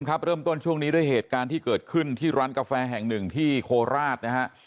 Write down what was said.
เริ่มต้นช่วงนี้ด้วยเหตุการณ์ที่เกิดขึ้นที่ร้านกาแฟแห่งหนึ่งที่โคราชนะฮะ